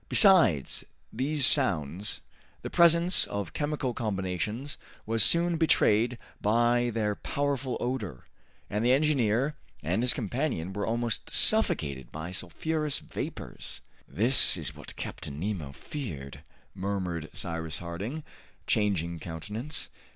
Besides these sounds, the presence of chemical combinations was soon betrayed by their powerful odor, and the engineer and his companion were almost suffocated by sulphurous vapors. "This is what Captain Nemo feared," murmured Cyrus Harding, changing countenance.